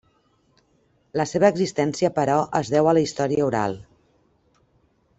La seva existència però es deu a la història oral.